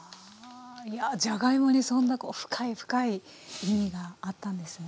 いやじゃがいもにそんな深い深い意味があったんですね。